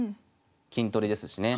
金取りですしね。